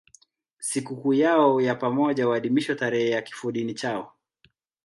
Sikukuu yao ya pamoja huadhimishwa tarehe ya kifodini chao.